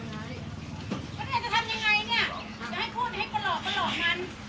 มันจะทำยังไงเนี่ยจะให้พูดให้ประหลอกประหลอกมัน